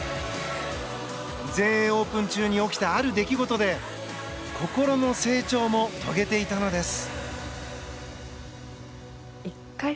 全英オープン中に起きたある出来事で心の成長も遂げていたのです。